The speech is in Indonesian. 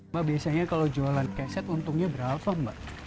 mbak biasanya kalau jualan keset untungnya berapa mbak